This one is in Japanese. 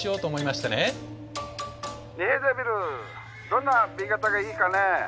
☎どんな紅型がいいかね？